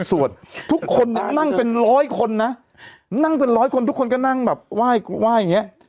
ทุกคนเนี่ยนั่งเป็นร้อยคนนะนั่งเป็นร้อยคนทุกคนก็นั่งแบบไหว้อย่างเงี้ย